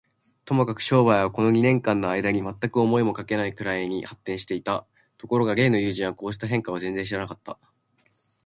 ともかく商売は、この二年間のあいだに、まったく思いもかけぬくらいに発展していた。ところが例の友人は、こうした変化を全然知らなかった。